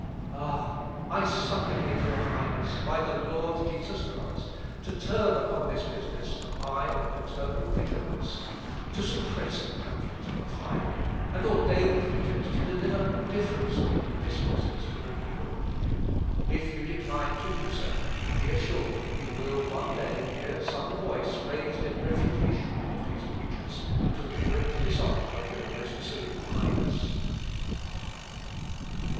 Ah! I supplicate your Highness, by the Lord Jesus Christ, to turn upon this business an eye of paternal vigilance, to suppress the pamphlet entirely, and ordain preachers to deliver a different sort of discourses to the people. If you decline to do so, be assured you will one day hear some voice raised in refutation of these preachers, to the great dishonour of your most serene Highness."